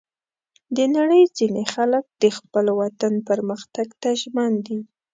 د نړۍ ځینې خلک د خپل وطن پرمختګ ته ژمن دي.